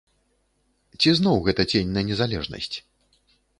Ці зноў гэта цень на незалежнасць?